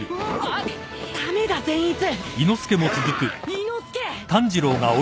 伊之助！